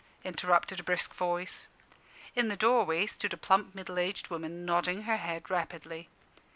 interrupted a brisk voice. In the doorway stood a plump middle aged woman, nodding her head rapidly.